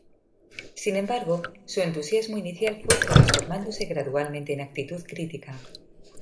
Sin embargo, su entusiasmo inicial fue transformándose gradualmente en actitud crítica.